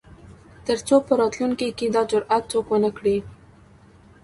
تر څو په راتلونکو کې دا جرات څوک ونه کړي.